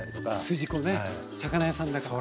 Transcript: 筋子ね魚屋さんだから。